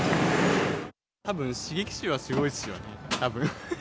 たぶん、刺激臭はすごいですよね、たぶん。